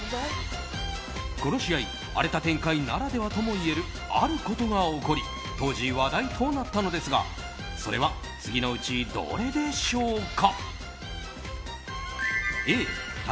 この試合荒れた展開ならではともいえるあることが起こり当時、話題となったのですがそれは次のうちどれでしょうか。